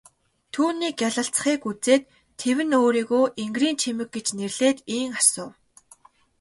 Түүний гялалзахыг үзээд тэвнэ өөрийгөө энгэрийн чимэг гэж нэрлээд ийн асуув.